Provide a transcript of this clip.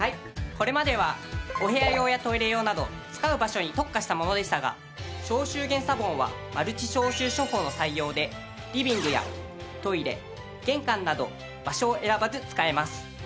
これまではお部屋用やトイレ用など使う場所に特化したものでしたが消臭元ＳＡＶＯＮはマルチ消臭処方の採用でリビングやトイレ玄関など場所を選ばず使えます。